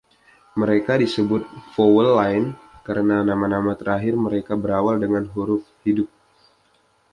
Mereka disebut “Vowel Line”, karena nama-nama terakhir mereka berawal dengan huruf hidup.